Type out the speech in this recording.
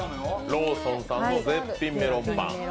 ローソンさんの絶品メロンパン